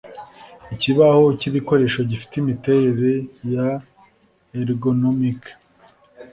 Ikibaho cyibikoresho gifite imiterere ya ergonomic